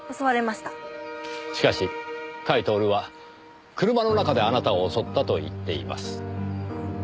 しかし甲斐享は車の中であなたを襲ったと言っています。